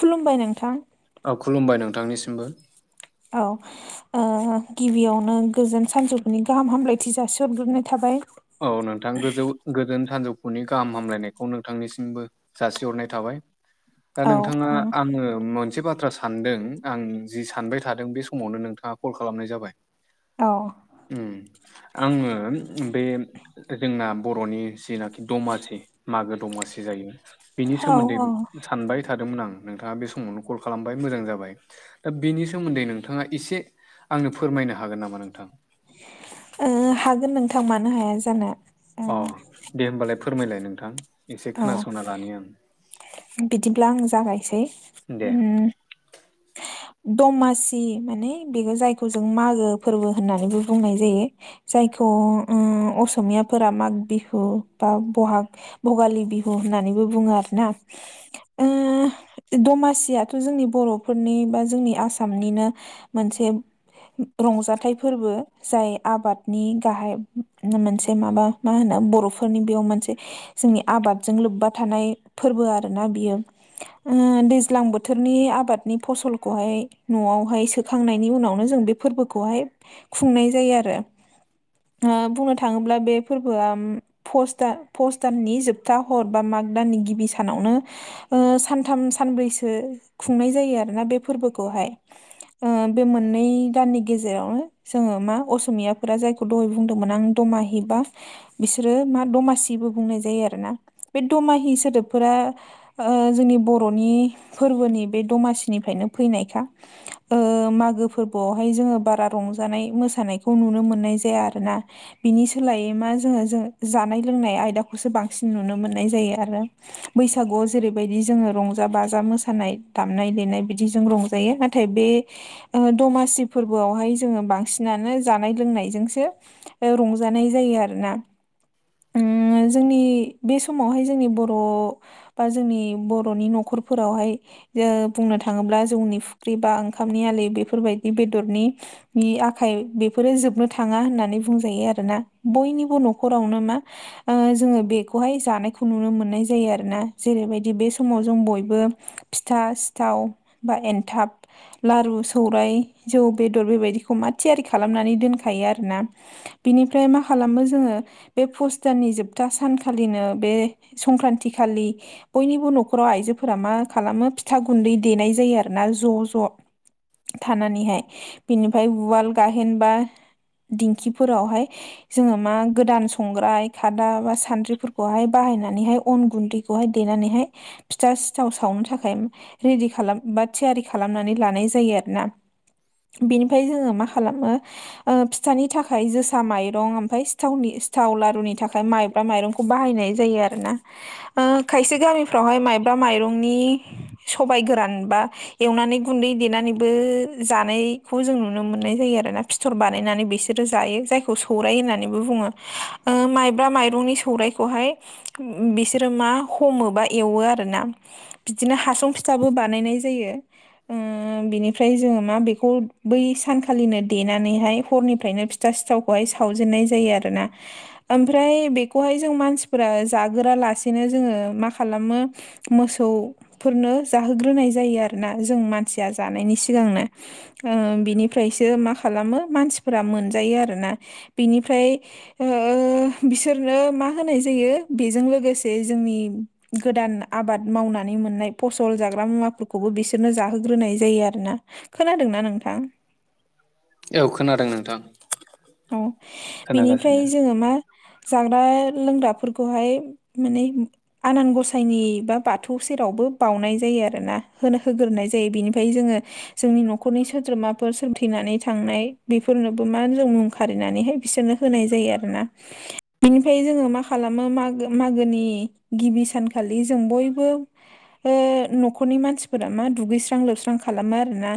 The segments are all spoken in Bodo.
खुलुमबाय नोंथां। औ खुलुमबाय नोंथांनिसिमबो। औ। गिबियावनो गोजोन सानजौफोरुनि गाहाम हामलायथि जासिहरग्रोबनाय थाबाय। औ नोंथां गोजौ गोजोन सानजौफुनि गाहाम हामलायनायखौ नोंथांनिसिमबो जासिहरनाय थाबाय दा औ नोंथाङा औ आङो मोनसे बाथ्रा स सानदों आं जि सानबाय थादों बे समावनो नोंथाङा कल खालामनाय जाबाय। औ। उ आङो बे जोंना बर'नि जेनाखि दमासि मागो दमासि जायो। बेनि औ सोमोन्दै औ सानबाय थादोंमोन आं, नोंथाङा बे समावनो कल खालामबाय मोजां जाबाय। दा बेनि सोमोन्दै नोंथाङा एसे आंनो फोरमायनो हागोन नामा नोंथां? हागोन नोंथां, मानो हाया जानो? अ दे होमबालाय फोरमायलाय नोंथां एसे औ खोनासंना लानि आं। बिदिब्ला आं जागायसै। दे उ दमासि माने बेखौ जायखौ जों मागो फोरबो होननानैबो बुंनाय जायो। जायखौ उ असमियाफोरा माग बिहु बा बहा भगालि बिहु होननानैबो बुङो आरोना। ओ दमासियाथ' जोंनि बर'फोरनि बा जोंनि आसामनिनो मोनसे रंजाथाइ फोरबो जाय आबादनि गाहाय मोनसे माबा मा होनो बर'फोरनि बेयाव मोनसे जोंनि आबादजों लोब्बा थानाय फोरबो आरोना बियो। ओ दैज्लां बोथोरनि आबादनि फसलखौहाय न'आवहाय सोखांनायनि उनावनो जों बे फोरबोखौहाय खुंनाय जायो आरो। बुंनो थाङोब्ला बे फोरबोआ फसदा फस दाननि जोबथा हर बा माग दाननि गिबि सानावनो ओ सानथाम सानब्रैसो खुंनाय जायो आरोना बे फोरबोखौहाय ‌। ओ बे मोननै दाननि गेजेराव जोङो मा असमियाफोरा जायखौ दहाय बुंदोंमोन आं दमाहि बा बिसोरो मा दमासिबो बुंनाय जायो आरो ना बे दमाहि सोदोबफोरा ओ जोंनि बर'नि फोरबोनि बे दमासिनिफ्रायनो फैनायखा। मागो फोरबोआवहाय जोङो बारा रंजानाय मोसानायखौ नुनो मोननाय जाया आरोना। बिनि सोलायै मा जोङो जों जानाय लोंनाय आयदाखौसो बांसिन नुनो मोननाय जायो आरो। बैसागुआव जेरैबायदि जोङो रंजा बाजा मोसानाय दामनाय देनाय बिदिजों रंजा जायो नाथाय बे ओ दमासि फोरबोआवहाय जोङो बांसिनानो जानाय लोंनायजोंसो बेयाव रंजानाय जायो आरोना ओम जोंनि बे समावहाय जोंनि बर' बा जोंनि बर'नि न'खरफोरावहाय जों बुंनो थाङोब्ला जौनि फुख्रि बा ओंखामनि आलि बेफोरबायदि बेदरनि बि आखाइ बेफोरो जोबनो थाङा होननानै बुंजायो आरोना बयनिबो न'खरावनो मा ओ। जोङो बेखौहाय जानायखौ नुनो मोननाय जायो आरोना जेरैबायदि बे समाव जों बयबो फिथा सिथाव बा एनथाब। लारु सौराय जौ बेदर बेबायदिखौ मा थियारि खालामनानै दोनखायो आरोना। बिनिफ्राय मा खालामो जोङो बे पुष दाननि जोब था सानखालिनो बे संक्रान्ति खालि बयनिबो न'खराव आइजोफोरा मा खालामो फिथा गुन्दै देनाय जायो आरोना ज' ज'। थानानैहाय बिनिफ्राय उवाल गाहेनबा दिंखिफोरावहाय जोङो मा गोदान संग्राय दा बा सानद्रिफोरखौहाय बाहायनानैहाय अन गुन्दैखौहाय देनानैहाय फिथा सिथाव सावनो थाखाय रेडि खालाम बा थियारि खालामनानै लानाय जायो आरोना। बिनिफ्राय जोङो मा खालामो ओ फिथानि थाखाय जोसा माइरं' ओमफ्राय सिथावनि सिथाव लारुनि थाखाय माइब्रा माइरं'खौ बाहायनाय जायो आरोना। ओ खायसे गामिफ्रावहाय माइब्रा माइरं'नि सबाय गोरान बा एवनानै गुन्दै देनानैबो जानायखौ जों नुनो मोननाय जायो आरोना। फिथर बानायनानै बिसोरो जायो जायखौ सौराय होननानैबो बुङो ओ माय ब्रा माइरंनि सौराइखौहाय बिसोरो मा हमो बा एवो आरोना। बिदिनो हासं' फिथाबो बानायनाय जायो। ओ बिनिफ्राय जोङो मा बेखौ बै सानखालिनो देनानैहाय हरनिफ्रायनो सिथा सिथावखौहाय सावजेननाय जायो आरोना। ओमफ्राय बेखौहाय जों मानसिफोरा जाग्रोआलासेनो जोङो मा खालामो मोसौफोरनो जाहोग्रोनाय जायो आरोना जों मानसिया जानायनि सिगांनो। ओ बिनिफ्रायसो मा खालामो मानसिफोरा मोनजायो आरोना बिनिफ्राय ओ बिसोरनो मा होनाय जायो बेजों लोगोसे जोंनि गोदान आबाद मावनानै मोननाय फसल जाग्रा मुवाफोरखौबो बिसोरनो जाहोग्रोनाय जायो आरोना। खोनादोंना नोंथां? औ खोनादों नोंथां। औ खोनागासिनो। बिनिफ्राय जोङो मा जाग्रा लोंग्राफोरखौहाय माने आनान गसायनि बा बाथौ सेरावबो बाउनाय जायो आरोना होनो होग्रोनाय जायो बिनिफ्राय जोङो जोंनि न'खरनि सोद्रोमाफोर सोर थैनानै थांनाय बेफोरनोबो मा होनो जों फारिनानैहाय बिसोरनो होनाय जायो आरोना। बिनिफ्राय जोङो मा खालामो मागो मागोनि गिबि सानखालि जों बयबो ओ न'खरनि मानसिफोरा मा दुगैस्रां लोबस्रां खालामो आरोना‌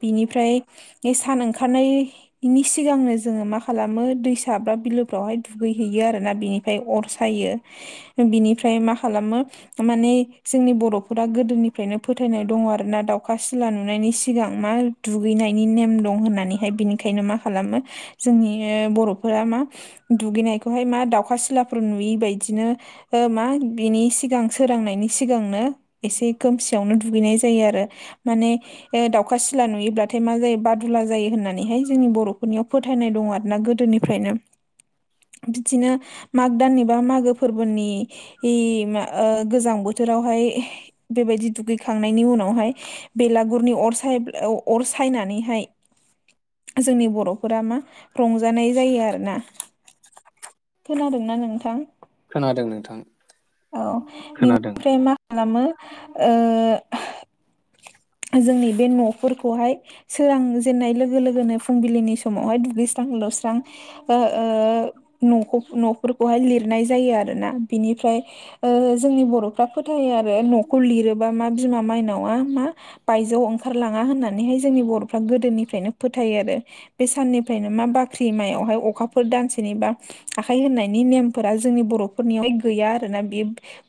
बिनिफ्राय बे सान ओंखारनायनि सिगांनो ज जोङो मा खालामो दै साब्रा बिलोफ्रावहाय दुगै हैयो आरोना बिनिफ्राय अर सायो। बिनिफ्राय मा खालामो माने जोंनि बर'फोरा गोदोनिफ्रायनो फोथायनाय दङ आरो ना दाउखा सिला नुनायनि सिगां मा दुगैनायनि नेम दं होननानैहाय बिनिखायनो मा खालामो जोंनि बर'फोरा मा दुगैनायखौहाय मा दाउखा सिलाफोर नुयिबायदिनो ओ मा बिनि सिगां सोरांनायनि सिगांनो एसे खोमसियावनो दुगैनाय जायो आरो माने दाउखा सिला नुयोब्लाथाय मा जायो बादुला जायो होननानैहाय जोंनि बर'फोरनियाव फो थायनाय दं आरोना गोदोनिफ्रायनो। बिदिनो माग दाननि बा मागो फोरबोनि इ मा ओ गोजां बोथोरावहाय बेबायदि दुगैखांनायनि उनावहाय बेलागुरनि अर सायब अर सायनानैहाय जोंनि फोरा मा रंजानाय जायो आरो ना। खोनादोंना नोंथां खोनादों नोंथां औ खोनादों बिनिफ्राय मा खालामो ओ जोंनि बे न'फोरखौहाय सोरां जेननाय लोगो लोगोनो फुंबिलिनि समावहाय दुगैस्रां लाबस्रां ओ ओ नखोब न'फोरखौहाय लिरनाय जायो आरोोना बिनिफ्राय ओ जोंनि बर'फ्रा फोथायो आरो न'खौ लिरोबा मा बिमा मायनावा मा बायजोआव ओंखारलाङा होननानैहाय जोंनि बर'फ्रा गोदोनिफ्रायनो फोथायो आरो। बे साननिफ्रायनो मा बाख्रि मायावहाय अखाफोर दानसेनि बा आखाइ होननायनि नेमफोरा जोंनि बर'फोरनियावाय गैया आरोना बे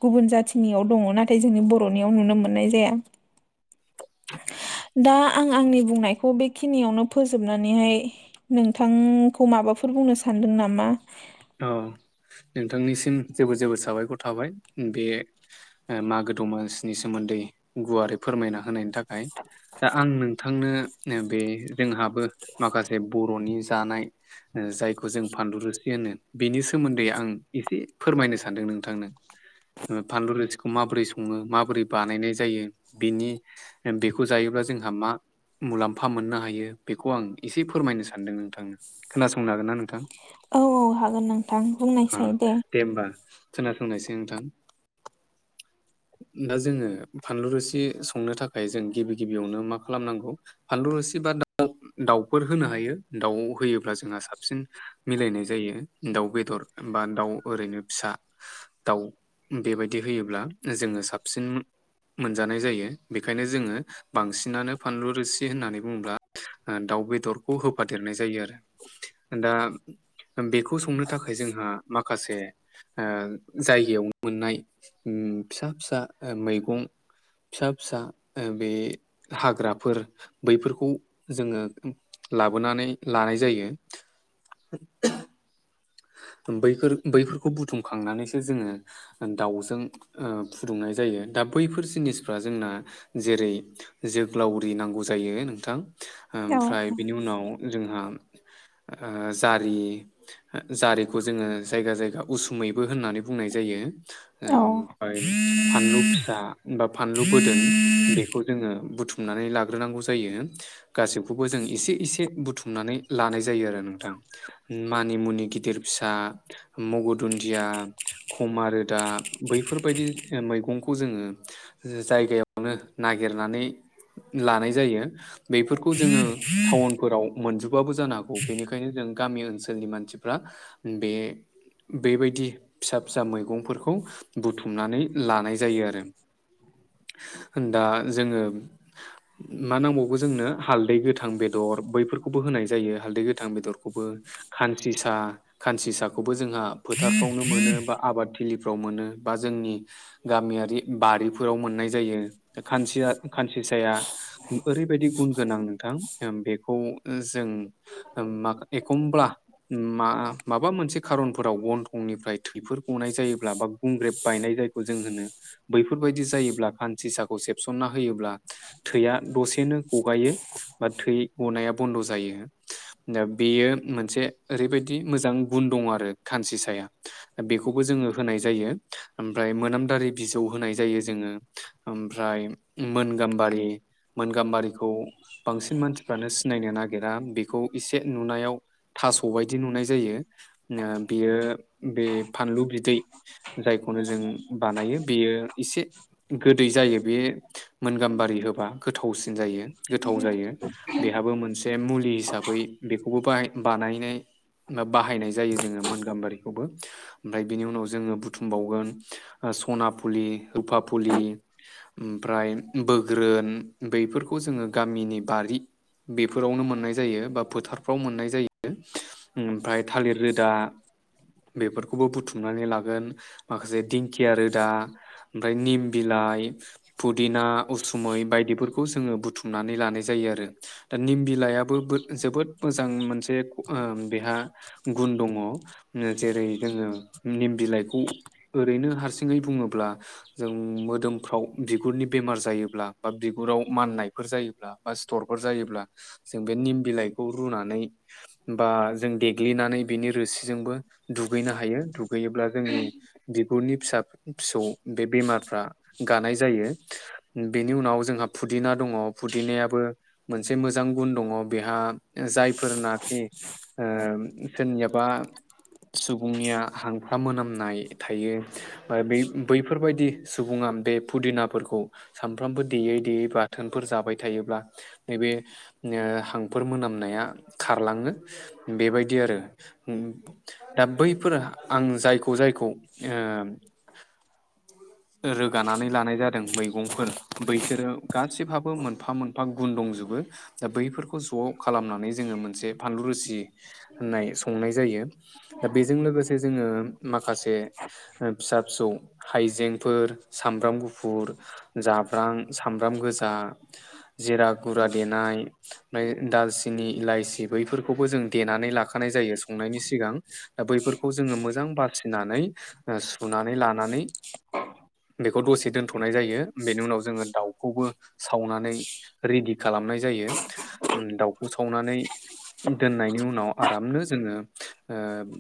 गुबुन जाथिनियाव दङ नाथाय जोंनि बर'नियाव नुनो मोननाय जाया। दा आं आंनि बुंनायखौ बेखिनियावनो फोजोबनानैहाय नोंथांखौ माबाफोर बुंनो सानदों नामा? ओ नोंथांनिसिम जेबो जेबो साबायखर थाबाय बे मागो दमसिनि सोमोन्दै गुवारै फोरमायना होनायनि थाखाय दा आं नोंथा थांनो नो बे जोंहाबो माखासे बर'नि जानाय जायखौ जों फानद रोसि होनो बेनि सोमोन्दै आं एसे फोरमायनो सानदों नोंथांनो। फानलु रोथिखौ माबोरै सङो माबोरै बानायनाय जायो बिनि बेखौ जायोब्ला जोंहा मा मुलाम्फा मोननो हायो बेखौ आं एसे फोरमायनो सानदों नोंथांनो खोनासंनो हागोन ना नोंथां? औ औ हागोन नोंथां। अ दे होमबा खोनासंनायसै नोंथां। दा जोङो फानलु रोसि संनो थाखाय जों गिबि गिबियावनो मा खालामनांगौ फानलु रोसि बा दा दाउफोर होनो हायो दाउ होयोब्ला जोंहा साबसिन मिलायनाय जायो दाउ बेदर बा दाउ ओरैनो फिसा दाउ बेबायदि होयोब्ला जोङो साबसिन मोनजानाय जायो बेखायनो जोङो बांसिनानो फानलु रोसि होननानै बुङोब्ला ओ दाउ बेदरखौ होफादेरनाय जायो आरो दा बेखौ संनो थाखाय जोंहा माखासे ओ जायगायाव मोननाय उम फिसा फिसा मैगं फिसा फिसा बे हाग्राफोर बैफोरखौ जोङो लाबोनानै लानाय जायो। बैफोर बैफोरखौ बुथुमखांनानैसो जोङो दाउजों ओ फुदुंनाय जायो। दा बैफोर जिनिसफ्रा जोंना जेरै जोग्लावरि नांगौ जायो नोंथां औ ओमफ्राय बिनि उनाव जोंहा जारि जारिखौ जोङो जायगा जायगा उसुमैबो होननानै बुंनाय जायो औ आमफाय फानलु फिसा बा फानलु बोदोन बेखौ जोङो बुथुमनानै लाग्रोनांगौ जायो गासैखौबो जों इसे इसे बुथुमनानै लानाय जायो आरो नोंथां मानि मुनि गिदिर फिसा मगर दुन्दिया खम आरो दा बैफोरबायदि मैगंखौ जोङो जायगायावनो नागिरनानै लानाय जायो बेफोरखौ जोङो टाउनफोराव मोनजोबाबो जानो हागौ, बेनिखायनो जों गामि ओनसोलनि मानसि फोरा बे बेबायदि फिसा फिसा मैगंफोरखौ बुथुमनानै लानाय जायो आरो दा जोङो मा नांबावगो जोंनो, हालदै गोथां बेदर बैफोरखौबो होनाय जायो हालदै गोथां बेदरखौबो खानसिसा खानसिसाखौबो जोंहा फोथारफ्रावनो मोनो बा आबाद थिलिफ्राव मोनो बा जोंनि गामियारि बारिफोराव मोननाय जायो। बे खानसि खानसिसाया ओरैबायदि गुन गोनां नोंथां बेखौ जों मा एखमब्ला मा माबा मोनसे खारनफोराव गनथंनिफ्राय थैफोर गनाय जायोब्ला बा गुंग्रेब बायनाय जायखौ जों होनो, बैफोरबायदि जायोब्ला खान्सि साहाखौ सेबसनना होयोब्ला थैया दसेनो गगायो, बा थै गनाया बन्द' जायो दा बेयो मोनसे ओरैबायदि मोजां गुन दङ आरो खानसि साया बेखौबो जोङो होनाय जायो। आमफ्राय मोनामदारि बिजौ होनाय जायो जोङो आमफ्राय मोन गाम्बारि मोन गाम्बारिखौ बांसिन मानसिफ्रानो सिनायनो नागिरा बेखौ एसे नुनायाव थास' बायदि नुनाय जायो, बियो बे फानलु बिदै जायखौनो जों बानायो बेयो एसे गोदै जायो बे मोनगाम्बारि होबा गोथावसिन जायो गोथाव जायो बेहाबो मोनसे मुलि हिसाबै बेखौबो बाहाय बानायनाय बा बाहायनाय जायो जोङो मोन गाम्बारिखौबो। आमफ्राय बिनि उनाव जोङो बुथुमबावगोन सना फुलि रुपा फुलि आमफ्राय बोगोरोन बैफोरखौ जोङो गामिनि बारि बेफोरावनो मोननाय जायो, बा फोथारफ्राव मोननाय जायो आमफ्राय थालिर रोदा बेफोरखौबो बुथुमनानै लागोन माखासे दिं खिया रोदा आमफ्राय निम बिलाइ, फुदिना उसुमै बायदिफोरखौ जोङो बुथुमनानै लानाय जायो आरो दा निम बिलाइाबो जोबोद मोजां मोनसे ओ बेहा गुन दङ। जेरै जोङो निम बिलाइखौ ओरैनो हारसिङै बुङोब्ला जों मोदोमफ्राव बिगुरनि बेमार जायोब्ला बा बिगुराव माननायफोर जायोब्ला बा सिथरफोर जायोब्ला जों बे निम बिलाइखौ रुनानै बा जों देग्लिनानै बिनि रोसिजोंबो दुगैनो हायो होयोब्ला जोंनि जि बिगुरनि फिसा फिसौ बे बेमारफ्रा गानाय जायो। बेनि उनाव जोंहा फुदिना दङ फुदिनायाबो मोनसे मोजां गुन दङ। बेहा जायफोरनाखि ओ सोरनियाबा सुबुंनिया हांफ्रा मोनामनाय थायो। बा बैफोरबायदि सुबुङा बे फुदिनाफोरखौ सानफ्रामबो देयै देयै बाथोनफोर जाबाय थायोब्ला नैबे हांफोर मोनामनाया खारलाङो। बेबायदि आरो ओ। दा बैफोर आं जायखौ जायखौ ओ रोगानानै लानाय जादों मैगंफोर बैसोरो गासिबहाबो मोनफा मोनफा गुन दंजोबो। दा बैफोरखौ ज' खालामनानै जोङो मोनसे फानलु रोसि होननाय संनाय जायो। दा बेजों लोगोसे जोङो माखासे फिसा फिसौ हाइजें। फोर सामब्राम गुफुर जाब्रां सामब्राम गोजा जिरा गुरा देनाय ओमफ्राय दालसिनि इलाइसि बैफोरखौबो जों देनानै लाखानाय जायो संनायनि सिगां। दा बैफोरखौ जोङो मोजां बासिनानै सुनानै लानानै बेखौ दसे दोनथ'नाय जायो बेनि उनाव जोङो दाउखौबो सावनानै रेडि खालामनाय जायो दाउखौ सावनानै। दोननायनि उनाव आरामनो जोङो ओ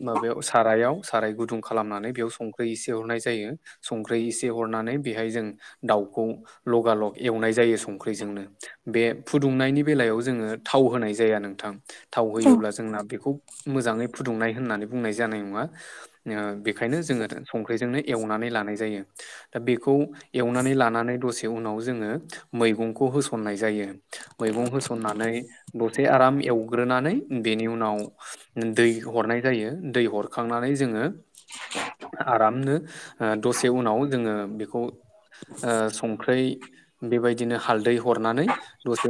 माबायाव सारायाव साराय गुदुं खालामनानै बेयाव सं संख्रि एसे हरनाय जायो। संख्रि एसे हरनानै बेहाय जों दाउखौ लगालग एवनाय जायो संख्रिजोंनो। बे फुदुंनायनि बेलायाव जोङो थाव होनाय जाया नोंथां। थाव औ होयोब्ला जोंना बेखौ मोजाङै फुदुंनाय होननानै बुंनाय जानाय नङा। बेखायनो जोङो संख्रिजोंनो एवनानै लानाय जायो। दा बेखौ एवनानै लानानै दसे उनाव जोङो मैगंखौ होसननाय जायो। मैगं होसन्नानै दसे आराम एवग्रोनानै बेनि उनाव दै हरनाय जायो दै हरखांनानै जोङो आरामनो दसे उनाव जोङो बेखौ संखै बेबायदिनो हालदै हरनानै दसे